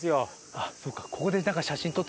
ああそうか。